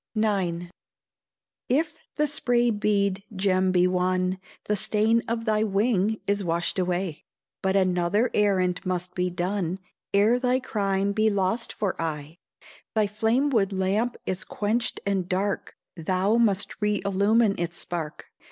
IX. "If the spray bead gem be won, The stain of thy wing is washed away, But another errand must be done Ere thy crime be lost for aye; Thy flame wood lamp is quenched and dark, Thou must re illume its spark.